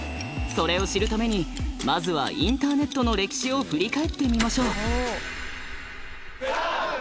それを知るためにまずはインターネットの歴史を振り返ってみましょう。